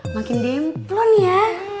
makin demplon ya